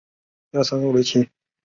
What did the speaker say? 九湖弗蛛为皿蛛科弗蛛属的动物。